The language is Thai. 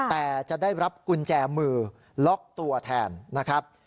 แต่จะได้รับกุญแจมือล็อกตัวแทนนะครับ